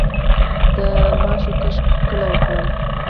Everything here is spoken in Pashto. د ماشو کښت کله وکړم؟